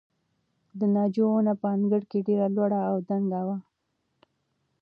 د ناجو ونه په انګړ کې ډېره لوړه او دنګه وه.